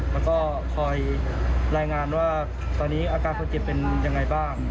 แล้วก็คอยรายงานว่าตอนนี้อาการคนเจ็บเป็นยังไงบ้าง